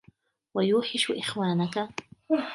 وَيُوحِشُ إخْوَانَك